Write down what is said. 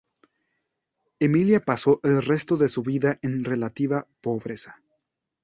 Emilia pasó el resto de su vida en relativa pobreza.